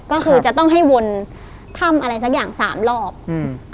ก็คือจะต้องให้วนถ้ำอะไรสักอย่างสามรอบอืม